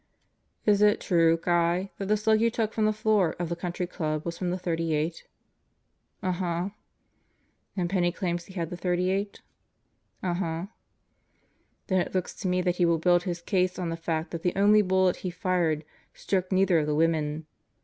"Is it true, Guy, that the slug you took from the floor of the Country Club was from the .38?" "Uh huh." "And Penney claims he had the .38?" "Uh huh." "Then it looks to me that he will build his case on the fact that the only bullet he fired struck neither of the women.